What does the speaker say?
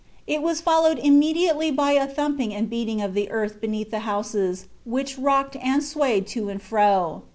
It was followed immediately by a thumping and beating of the earth beneath the houses, which rocked and swayed to and fro.